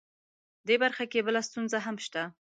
دې برخه کې بله ستونزه هم شته